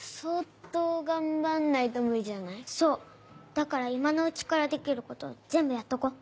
だから今のうちからできることを全部やっとこう。